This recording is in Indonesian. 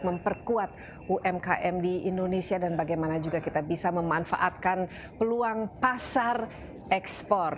memperkuat umkm di indonesia dan bagaimana juga kita bisa memanfaatkan peluang pasar ekspor